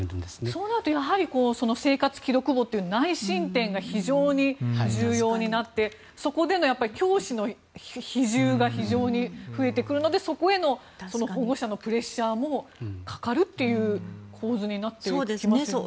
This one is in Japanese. そうなると生活記録簿という内申点が非常に重要になってそこでの教師の比重が非常に増えてくるのでそこへの保護者のプレッシャーもかかるという構図になっていきますよね。